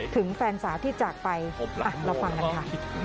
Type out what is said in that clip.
แฟนสาวที่จากไปเราฟังกันค่ะ